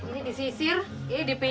ini disisir ini dipijat